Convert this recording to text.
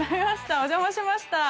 お邪魔しました。